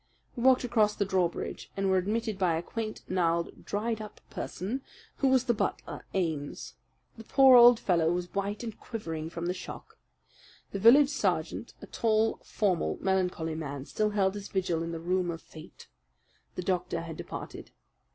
We walked across the drawbridge, and were admitted by a quaint, gnarled, dried up person, who was the butler, Ames. The poor old fellow was white and quivering from the shock. The village sergeant, a tall, formal, melancholy man, still held his vigil in the room of Fate. The doctor had departed.